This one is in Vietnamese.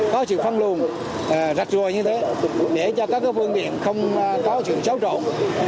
có sự phân luồn rạch rùa như thế để cho các phương tiện không có sự xấu trộn